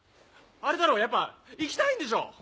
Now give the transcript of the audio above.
あれだろやっぱ行きたいんでしょ